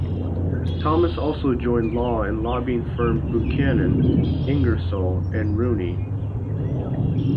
Thomas also joined law and lobbying firm Buchanan, Ingersoll and Rooney.